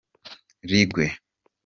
Rugwe